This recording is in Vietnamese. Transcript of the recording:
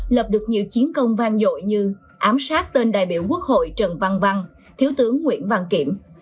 lập được nhiều chiến công vang dội như ám sát tên đại biểu quốc hội trần văn văn thiếu tướng nguyễn văn kiểm